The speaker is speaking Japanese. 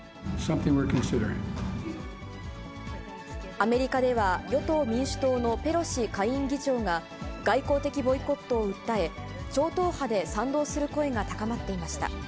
アメリカでは、与党・民主党のペロシ下院議長が、外交的ボイコットを訴え、超党派で賛同する声が高まっていました。